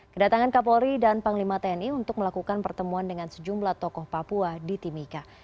kedatangan kapolri dan panglima tni untuk melakukan pertemuan dengan sejumlah tokoh papua di timika